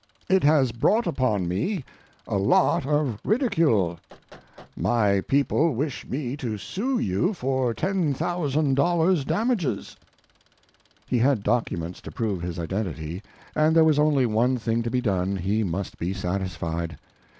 It has brought upon me a lot of ridicule. My people wish me to sue you for $10,000 damages." He had documents to prove his identity, and there was only one thing to be done; he must be satisfied.